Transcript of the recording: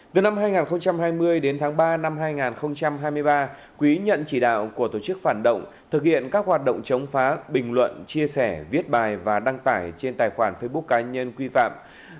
từ năm hai nghìn hai mươi đến tháng ba năm hai nghìn hai mươi ba quý nhận chỉ đạo của tổ chức phản động thực hiện các hoạt động chống phá bình luận chia sẻ viết bài và đăng tải trên tài khoản facebook cá nhân quy phạm